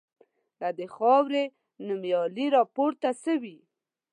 له دې خاوري نومیالي راپورته سوي